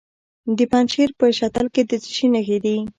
د پنجشیر په شتل کې د څه شي نښې دي؟